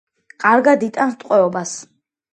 კარგად იტანს ტყვეობას.